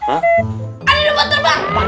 anu domba terbang